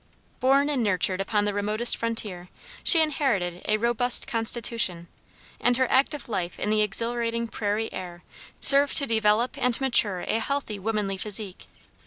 Born and nurtured upon the remotest frontier, she inherited a robust constitution, and her active life in the exhilarating prairie air served to develop and mature a healthy womanly physique.